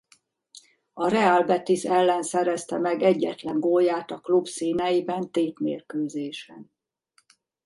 A Real Betis ellen szerezte meg egyetlen gólját a klub színeiben tétmérkőzésen.